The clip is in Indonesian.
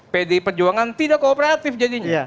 pdi perjuangan tidak kooperatif jadinya